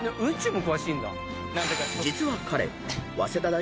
［実は彼］